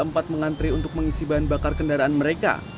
tempat mengantre untuk mengisi bahan bakar kendaraan mereka